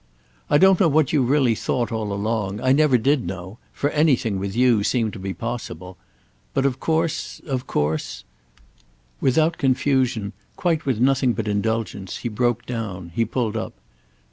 "I don't know what you've really thought, all along; I never did know—for anything, with you, seemed to be possible. But of course—of course—" Without confusion, quite with nothing but indulgence, he broke down, he pulled up.